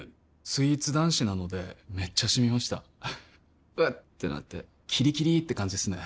スイーツ男子なのでめっちゃシミました「うっ」ってなってキリキリって感じですね